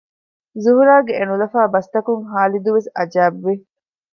ޒުހުރާގެ އެނުލަފާ ބަސްތަކުން ހާލިދުވެސް އަޖައިބު ވި